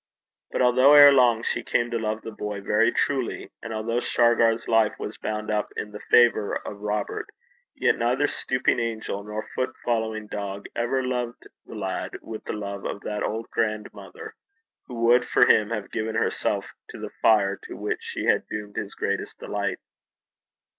But although ere long she came to love the boy very truly, and although Shargar's life was bound up in the favour of Robert, yet neither stooping angel nor foot following dog ever loved the lad with the love of that old grandmother, who would for him have given herself to the fire to which she had doomed his greatest delight.